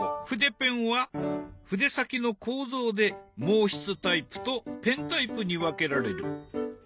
筆ペンは筆先の構造で毛筆タイプとペンタイプに分けられる。